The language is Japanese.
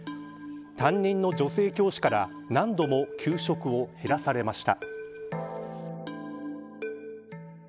担任の女性教師から何度も給食を減らされました。